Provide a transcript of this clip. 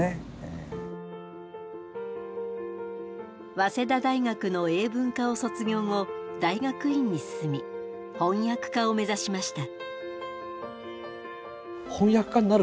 早稲田大学の英文科を卒業後大学院に進み翻訳家を目指しました。